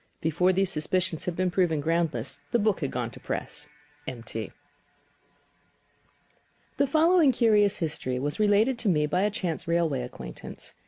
Before these suspicions had been proven groundless, the book had gone to press. M. T.] I. The following curious history was related to me by a chance railway acquaintance.